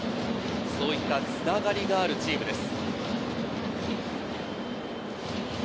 そういった繋がりのあるチームです。